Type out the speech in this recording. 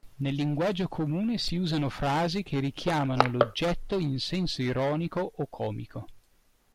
Nel linguaggio comune si usano frasi che richiamano l'oggetto in senso ironico o comico.